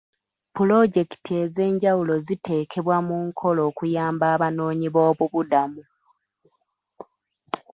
Puloojekiti ez'enjawulo ziteekebwa mu nkola okuyamba Abanoonyi b'obubudamu.